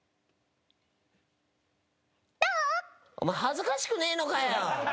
お前恥ずかしくねえのかよ。